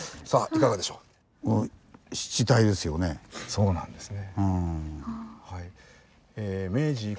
そうなんですね。